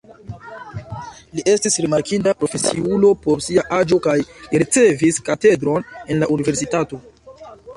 Li estis rimarkinda profesiulo por sia aĝo kaj li ricevis katedron en la universitato.